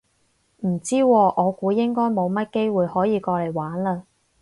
唔知喎，我估應該冇乜機會可以過嚟玩嘞